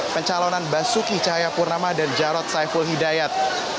pencalonan basuki cahayapurnama dan jarod saiful hidayat